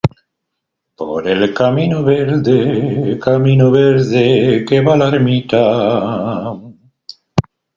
Los Ayllus de Huarochirí fue parte de una administración imperial incaico.